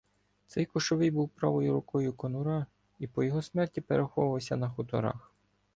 Цей Кошовий був правою рукою Конура і по його смерті переховувався на хуторах.